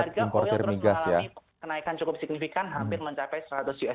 dan harga oil terus mengalami kenaikan cukup signifikan hampir mencapai seratus usd per barrelnya